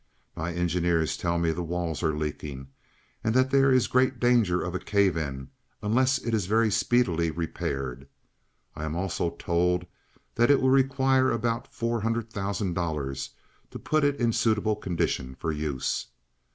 My engineers tell me the walls are leaking, and that there is great danger of a cave in unless it is very speedily repaired. I am also told that it will require about four hundred thousand dollars to put it in suitable condition for use.